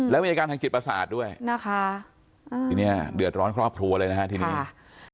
และเมืองการจิตประสาทด้วยคือนี้เดือดร้อนครอบครัวเลยนะครับ